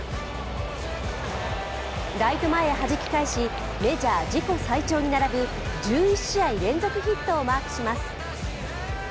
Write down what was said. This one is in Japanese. ライト前へはじき返しメジャー自己最長に並ぶ１１試合連続ヒットをマークします。